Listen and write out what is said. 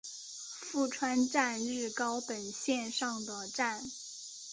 富川站日高本线上的站。